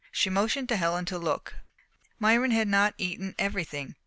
She motioned to Helen to look. Myron had not eaten everything.